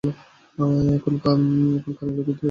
এবং কানের লতি ধরে টানছিলো।